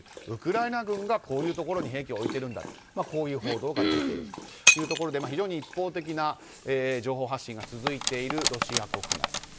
ウクライナ軍がこういうところに兵器を置いているという報道が出ているというところで非常に一方的な情報発信が続いているロシア国内。